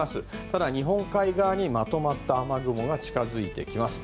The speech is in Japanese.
ただ、日本海側にまとまった雨雲が近づいてきます。